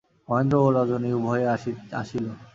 মহেন্দ্র ও রজনী উভয়েই আসিল।